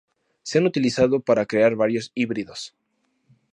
Se han utilizado para crear varios híbridos.